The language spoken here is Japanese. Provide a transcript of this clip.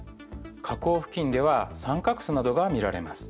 河口付近では三角州などが見られます。